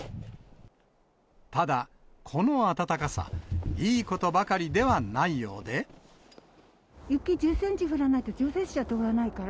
ただ、この暖かさ、雪１０センチ降らないと、除雪車通らないから。